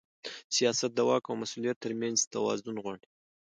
سیاست د واک او مسؤلیت ترمنځ توازن غواړي